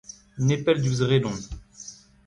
Nepell diouzh Redon.